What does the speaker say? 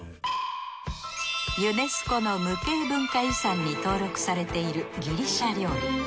ユネスコの無形文化遺産に登録されているギリシャ料理。